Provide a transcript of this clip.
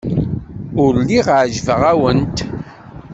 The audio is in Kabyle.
Ur lliɣ ɛejbeɣ-awent.